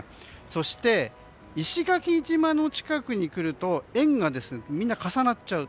そして、石垣島の近くにくると円がみんな重なっちゃう。